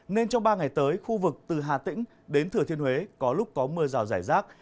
nên trong ba ngày tới khu vực từ hà tĩnh đến thừa thiên huế có lúc có mưa rào rải rác